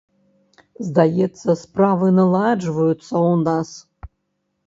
Здаецца, справы наладжваюцца ў нас.